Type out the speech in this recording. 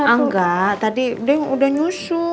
angga tadi udah nyusu